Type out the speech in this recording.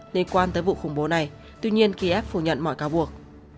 liên quan tới vụ khủng bố này tuy nhiên kiev phủ nhận mọi cáo buộc